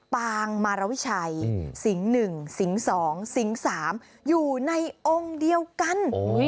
ปางมารวิชัยสิงห์๑สิงห์๒สิง๓อยู่ในองค์เดียวกัน